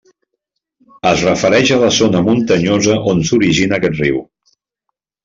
Es refereix a la zona muntanyosa on s'origina aquest riu.